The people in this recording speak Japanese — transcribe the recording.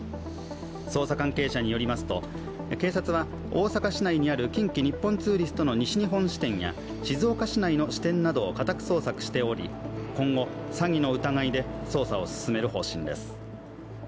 捜査関係者によりますと、警察は大阪市内にある近畿日本ツーリストの西日本支店や静岡市内の支店などを家宅捜索しており、今後、詐欺の疑いで捜査を進める方針です。